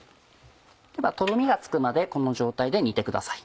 トロミがつくまでこの状態で煮てください。